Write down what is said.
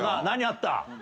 何あった？